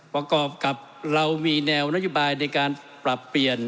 ประกอบกับเรามีแนวนโยบายในการปรับเปลี่ยน